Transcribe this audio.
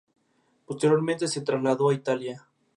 Posteriormente se trasladó a Italia.